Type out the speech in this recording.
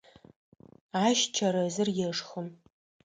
Ащ чэрэзыр ешхы.